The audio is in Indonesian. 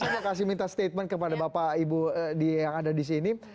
saya mau kasih minta statement kepada bapak ibu yang ada di sini